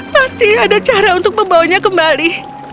pasti ada cara untuk membawanya kembali